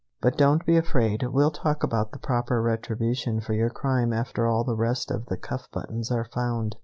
"But don't be afraid. We'll talk about the proper retribution for your crime after all the rest of the cuff buttons are found.